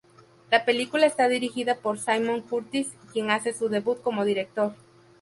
La película está dirigida por Simon Curtis, quien hace su debut como director.